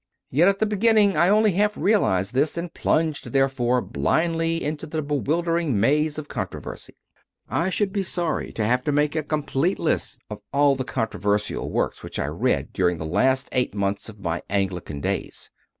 Yet at the beginning I only half realized this and plunged, therefore, blindly into the bewildering maze of controversy. I should be sorry to have to make a complete list of all the controversial works which I read during the last eight months of my Anglican days.